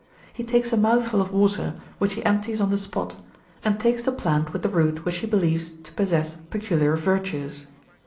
He takes a mouthful of water which he empties on the spot, and takes the plant with the root which he believes to possess peculiar virtues.